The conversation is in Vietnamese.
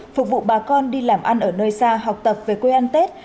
phục vụ bà con đi làm ăn ở nơi xa học tập về quê ăn tết